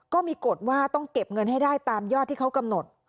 ก็มีกฎว่าต้องเก็บเงินให้ได้ตามยอดที่เขากำหนด